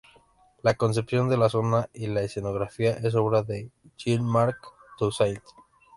La concepción de la zona y la escenografía es obra de de Jean-Marc Toussaint.